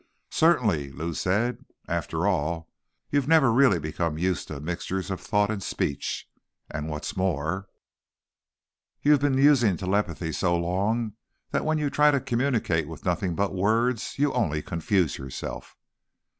"Certainly," Lou said. "After all, you've never really become used to mixtures of thought and speech. And, what's more, you've been using telepathy so long that when you try to communicate with nothing but words you only confuse yourself."